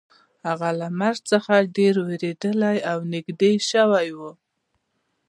هغه له مرګ څخه ډیر ویریدلی او نږدې شوی و